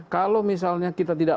kalau misalnya kita tidak